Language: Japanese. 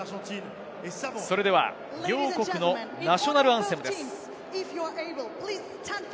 それでは両国のナショナルアンセムです。